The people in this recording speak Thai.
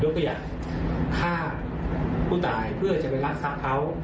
แล้วก็อยากฆ่าผู้ตายเพื่อจะไปรักษาเขา